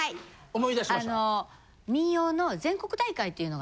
思い出しました？